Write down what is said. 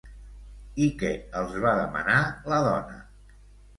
I que els va demanar la dona?